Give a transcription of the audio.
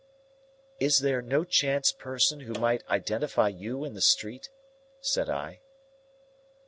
"Is there no chance person who might identify you in the street?" said I.